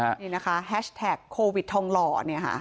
หาชแท็กโควิดทองหล่อนี่ค่ะ